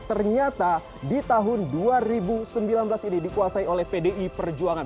ternyata di tahun dua ribu sembilan belas ini dikuasai oleh pdi perjuangan